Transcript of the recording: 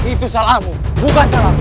itu salahmu bukan salahmu